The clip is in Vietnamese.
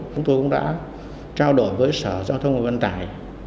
chúng tôi cũng đã trao đổi với sở giao thông vận tải